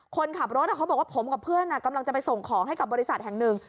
คนขับรถเขาบอกว่าผมกับเพื่อนกำลังจะไปส่งของให้กับบริษัทแห่งหนึ่ง